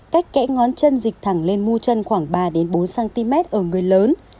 cách kẽ ngón chân dịch thẳng lên mu chân khoảng ba bốn cm ở người lớn